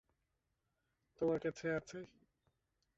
তোমার কাছে আছে?